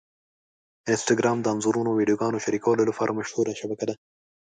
انسټاګرام د انځورونو او ویډیوګانو شریکولو لپاره مشهوره شبکه ده.